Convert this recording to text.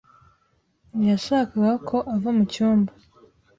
Ntiyashakaga ko ava mu cyumba